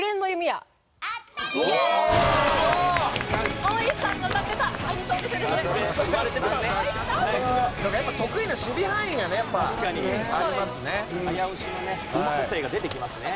やっぱり得意な守備範囲がありますよね。